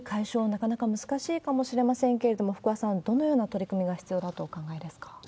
なかなか難しいかもしれませんけれども、福和さん、どのような取り組みが必要だとお考えですか？